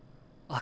あ。